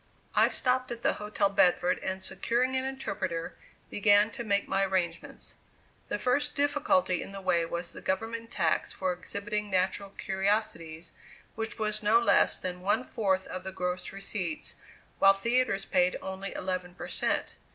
I stopped at the Hotel Bedford, and securing an interpreter, began to make my arrangements. The first difficulty in the way was the government tax for exhibiting natural curiosities, which was no less than one fourth of the gross receipts, while theatres paid only eleven per cent.